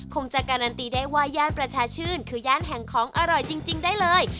คงจะการันตีได้ว่าย่านประชาชื่นคือย่านแห่งของอร่อยจริงได้เลย